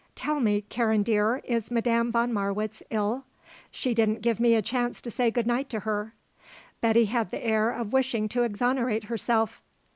"Tell me, Karen dear, is Madame von Marwitz ill? She didn't give me a chance to say good night to her." Betty had the air of wishing to exonerate herself.